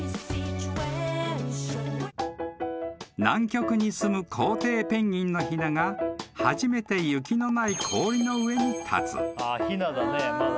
［南極にすむコウテイペンギンのひなが初めて雪のない氷の上に立つ］